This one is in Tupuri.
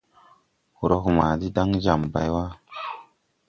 Horɔg ma de daŋ jam bay wà.